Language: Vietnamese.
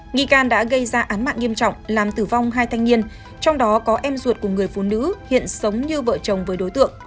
nghi can đã gây ra án mạng nghiêm trọng làm tử vong hai thanh niên trong đó có em ruột của người phụ nữ hiện sống như vợ chồng với đối tượng